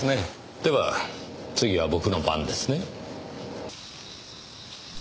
では次は僕の番ですね。